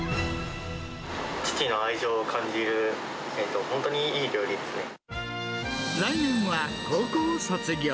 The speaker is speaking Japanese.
父の愛情を感じる、本当にい来年は高校を卒業。